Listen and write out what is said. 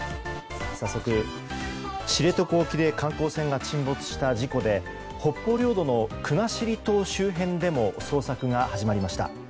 早速、知床沖で観光船が沈没した事故で北方領土の国後島周辺でも捜索が始まりました。